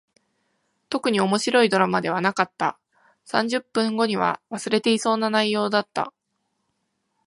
特に面白いドラマではなかった。三十分後には忘れていそうな内容だった。